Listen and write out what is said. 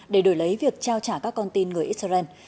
để đổi lấy việc trao trả các con tin người israel